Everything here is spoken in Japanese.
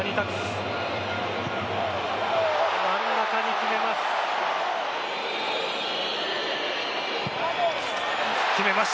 真ん中に決めます。